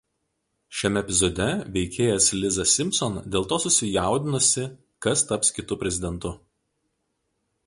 Šiame epizode veikėjas Liza Simpson dėl to susijaudinusi, kas taps kitu prezidentu.